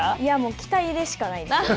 期待でしかないですよね。